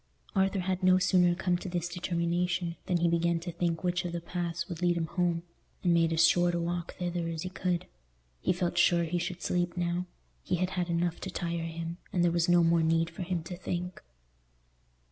Arthur had no sooner come to this determination than he began to think which of the paths would lead him home, and made as short a walk thither as he could. He felt sure he should sleep now: he had had enough to tire him, and there was no more need for him to think.